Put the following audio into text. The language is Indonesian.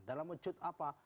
dalam wujud apa